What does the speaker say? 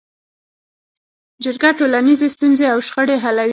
جرګه ټولنیزې ستونزې او شخړې حلوي